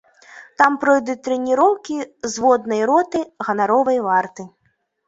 Там пройдуць трэніроўкі зводнай роты ганаровай варты.